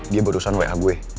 dia barusan wa gue